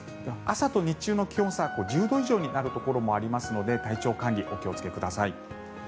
朝と日中の気温差１０度以上になるところもありますので体調管理、お気をつけください。